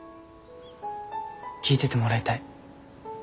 聞いててもらいたい。